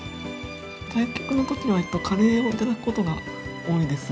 対局のときにはカレーを頂くことが多いです。